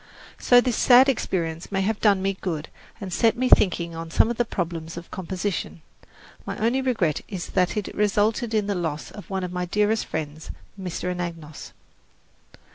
So this sad experience may have done me good and set me thinking on some of the problems of composition. My only regret is that it resulted in the loss of one of my dearest friends, Mr. Anagnos.